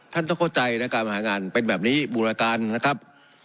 ท่านน้องเข้าใจในการมาหาการมาเป็นแบบนี้บูราการนะครับ